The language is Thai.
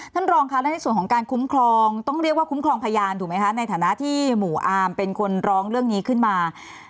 ท่านรองค่ะและในส่วนของการคุ้มครองต้องเรียกว่าคุ้มครองพยานถูกไหมคะในฐานะที่หมู่อาร์มเป็นคนร้องเรื่องนี้ขึ้นมา